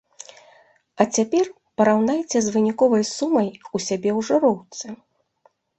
А цяпер параўнайце з выніковай сумай у сябе ў жыроўцы.